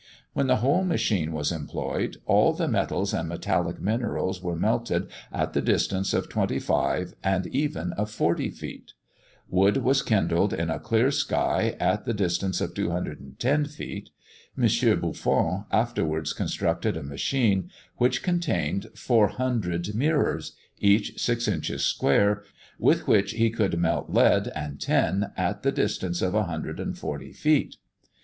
When the whole machine was employed, all the metals and metallic minerals were melted at the distance of twenty five and even of forty feet. Wood was kindled in a clear sky at the distance of 210 feet. M. Buffon afterwards constructed a machine which contained 400 mirrors, each six inches square, with which he could melt lead and tin at the distance of 140 feet.